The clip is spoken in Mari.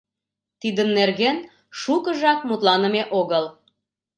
Тидын нерген шукыжак мутланыме огыл.